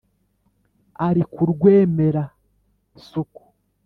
ari ku rwemera-suku